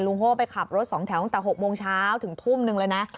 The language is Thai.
โฮไปขับรถ๒แถวตั้งแต่๖โมงเช้าถึงทุ่มหนึ่งเลยนะ